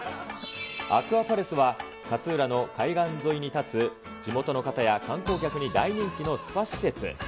アクアパレスは、勝浦の海岸沿いに建つ、地元の方や観光客に大人気のスパ施設。